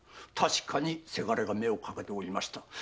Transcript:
確かにせがれが目をかけておりました。